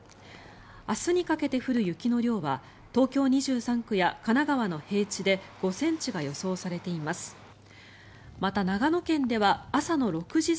明日にかけて降る雪の量は東京２３区や神奈川の平地で５ｃｍが予想されています。